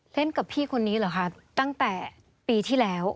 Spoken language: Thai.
กับพี่คนนี้เหรอคะตั้งแต่ปีที่แล้ว